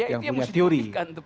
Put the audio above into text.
yang punya teori